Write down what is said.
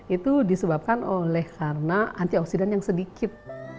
itu disebabkan oleh karena antioksidan yang sedikit